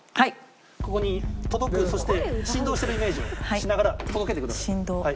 ここに届くそして振動してるイメージをしながら届けてください。